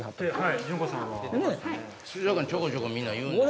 水族館ちょこちょこみんな言うんですよ。